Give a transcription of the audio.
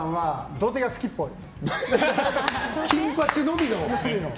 土手が好きっぽいと。